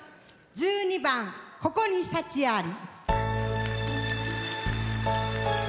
１２番「ここに幸あり」。